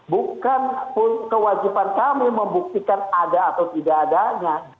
bukan kewajiban kami membuktikan ada atau tidak adanya